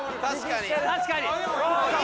確かに。